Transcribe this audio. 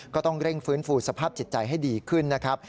ก็ต้องเร่งฟื้นฟูสภาพจิตใจให้ดีขึ้นนะครับ